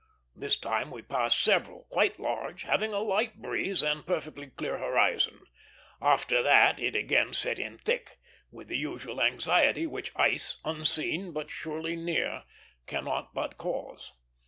This time we passed several, quite large, having a light breeze and perfectly clear horizon. After that it again set in thick, with the usual anxiety which ice, unseen but surely near, cannot but cause.